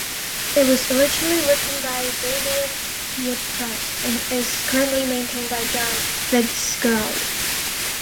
It was originally written by Damian Pietras, and is currently maintained by John Fitzgerald.